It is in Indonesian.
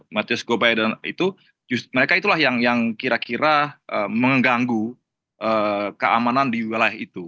matius gobai dan itu mereka itulah yang kira kira mengganggu keamanan di wilayah itu